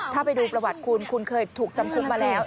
ถ้าไปดูประวัติคุณคุณเคยถูกจำคุกมาแล้ว